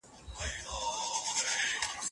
موږ د خپلو ادیبانو په نوم ویاړو.